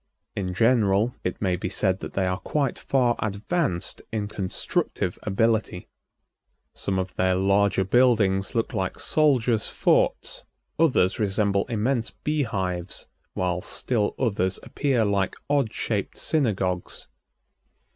In general, it may be said that they are quite far advanced in constructive ability. Some of their larger buildings look like soldiers' forts, others resemble immense bee hives, while still others appear like odd shaped synagogues.